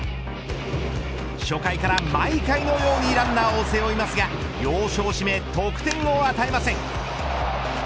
初回から毎回のようにランナーを背負いますが要所を締め得点を与えません。